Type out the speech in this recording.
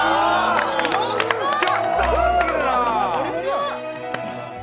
ちょっと、うますぎるな。